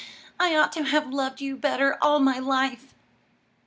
I ought to have loved you better all my life!"